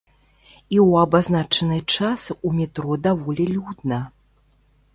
І ў абазначаны час у метро даволі людна.